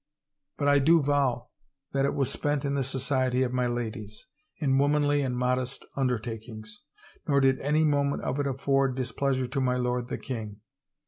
But I do vow that it was spent in the society of my ladies, in womanly and modest undertakings, nor did any mo ment of it afford displeasure to my lord, the king.